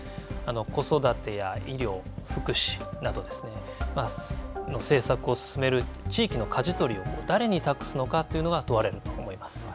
子育てや医療、福祉などですね、政策を進める地域のかじ取りを誰に託すのかというのが問われると思います。